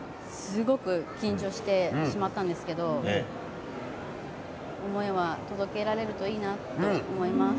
すごく緊張してしまったんですが思いは届けられるといいなと思います。